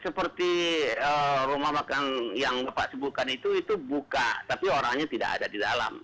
seperti rumah makan yang bapak sebutkan itu itu buka tapi orangnya tidak ada di dalam